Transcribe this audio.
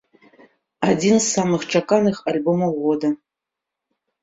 Адзін з самых чаканых альбомаў года.